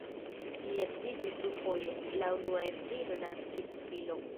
Li edziĝis dufoje, la unua edzino naskis filon.